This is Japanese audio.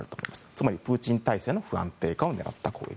つまりプーチン体制の不安定化を狙った攻撃。